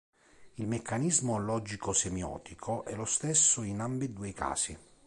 Il meccanismo logico-semiotico è lo stesso in ambedue i casi.